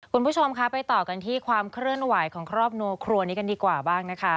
คุณผู้ชมคะไปต่อกันที่ความเคลื่อนไหวของครอบครัวครัวนี้กันดีกว่าบ้างนะคะ